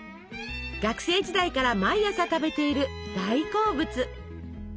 学生時代から毎朝食べている大好物。